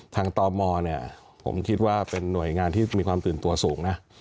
ทางตอมอสนามบินมันเนี่ยผมคิดว่าเป็นหน่วยงานที่มีความตื่นตัวสูงนะ